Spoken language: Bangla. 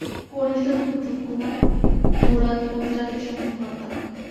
কনিষ্ঠ পুত্র কুমার মুরাদ গুজরাটের শাসনকর্তা।